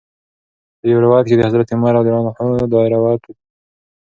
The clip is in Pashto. په یو روایت کې د حضرت عمر رض څخه دا روایت